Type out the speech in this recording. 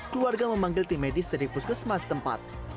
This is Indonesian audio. keluarga memanggil tim medis dari puskesmas tempat